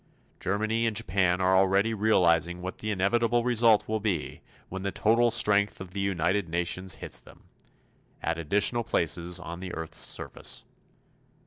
Germany and Japan are already realizing what the inevitable result will be when the total strength of the United Nations hits them at additional places on the earth's surface.